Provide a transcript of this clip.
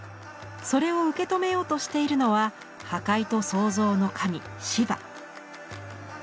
それを受け止めようとしているのは破壊と創造の神シヴァ。